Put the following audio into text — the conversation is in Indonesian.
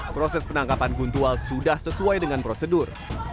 proses penangkapan guntual sudah sesuai dengan prosedur